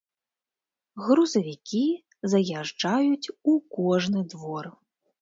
Грузавікі заязджаюць у кожны двор.